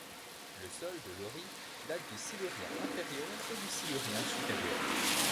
Le sol de Laurie date du Silurien inférieur et du Silurien supérieur.